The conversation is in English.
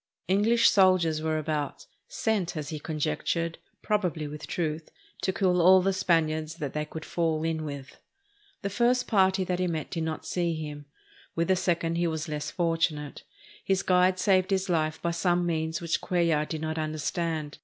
EngHsh soldiers were about, sent, as he conjectured, probably with truth, to kill all the Spaniards that they could fall in with. The first party that he met did not see him. With the second he was less fortunate. His guide saved his life by some means which Cuellar did not understand.